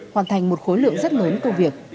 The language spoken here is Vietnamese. hoàn thành một khối lượng rất lớn công việc